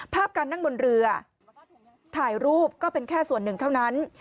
การนั่งบนเรือถ่ายรูปก็เป็นแค่ส่วนหนึ่งเท่านั้น